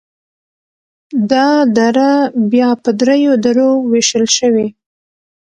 دا دره بیا په دریو درو ویشل شوي: